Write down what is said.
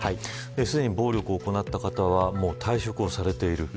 すでに暴力を行った方は退職されている。